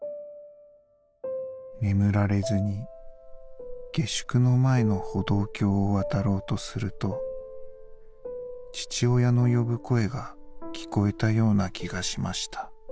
眠られずに下宿の前の歩道橋を渡ろうとすると父親の呼ぶ声が聞こえた様な気がしました。